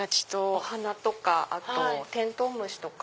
お花とかあとテントウムシとか。